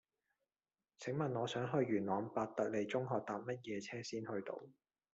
請問我想去元朗伯特利中學搭乜嘢車先去到